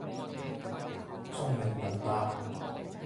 聰明笨伯